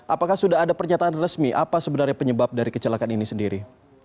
apakah sudah ada pernyataan resmi apa sebenarnya penyebab dari kecelakaan ini sendiri